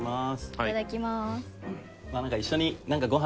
いただきます。